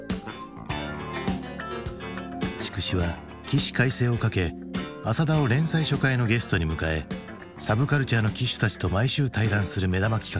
筑紫は起死回生をかけ浅田を連載初回のゲストに迎えサブカルチャーの旗手たちと毎週対談する目玉企画